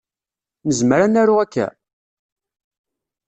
Nezmer ad naru akka?